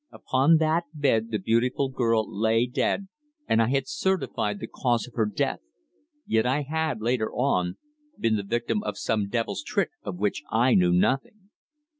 Upon that bed the beautiful girl lay dead, and I had certified the cause of her death! Yet I had, later on, been the victim of some devil's trick of which I knew nothing.